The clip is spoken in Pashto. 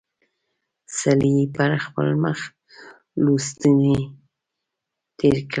سړي پر خپل مخ لستوڼی تېر کړ.